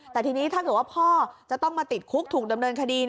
แต่ทีนี้ถ้าเกิดว่าพ่อจะต้องมาติดคุกถูกดำเนินคดี